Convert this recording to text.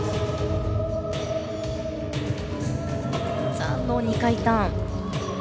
座の２回ターン。